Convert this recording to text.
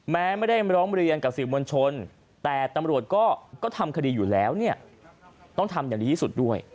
แม้ไม่ได้ร้องเรียนกับสื่อมวลชนแต่ตำรวจก็ทำคดีอยู่แล้วเนี่ยต้องทำอย่างดีที่สุดด้วย